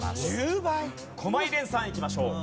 駒井蓮さんいきましょう。